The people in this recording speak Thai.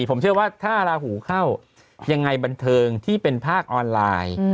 ผมเชื่อว่าถ้าลาหูเข้ายังไงบันเทิงที่เป็นภาคออนไลน์